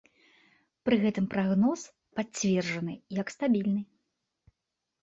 Пры гэтым прагноз пацверджаны як стабільны.